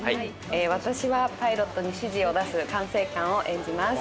私はパイロットに指示を出す管制官を演じます。